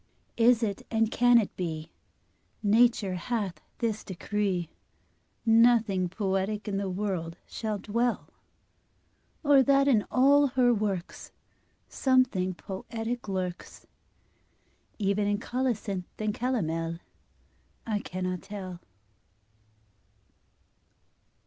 Is it, and can it be, Nature hath this decree, Nothing poetic in the world shall dwell? Or that in all her works Something poetic lurks, Even in colocynth and calomel? I cannot tell.